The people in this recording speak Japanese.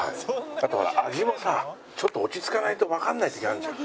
だってほら味もさちょっと落ち着かないとわからない時あるじゃん？